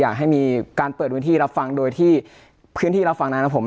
อยากให้มีการเปิดพื้นที่รับฟังโดยที่พื้นที่รับฟังนั้นนะผม